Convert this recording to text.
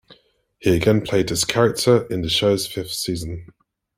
He again played this character in the shows fifth season.